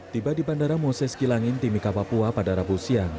tiba di bandara moses kilangin timika papua pada rabu siang